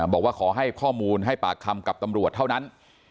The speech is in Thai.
บอกว่าขอให้ข้อมูลให้ปากคำกับตำรวจเท่านั้น